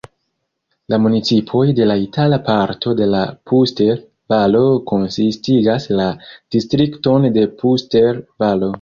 La municipoj de la itala parto de la Puster-Valo konsistigas la distrikton de Puster-Valo.